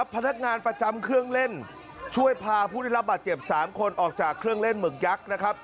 พนักงานประจำเครื่องเล่นช่วยพาผู้ได้รับบาดเจ็บ๓คนออกจากเครื่องเล่นหมึกยักษ์นะครับ